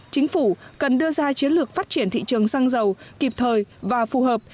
chính phủ cần đưa ra chiến lược phát triển thị trường xăng dầu kịp thời và phù hợp